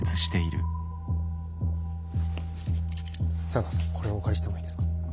茶川さんこれをお借りしてもいいですか？